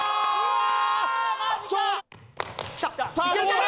さあどうだ？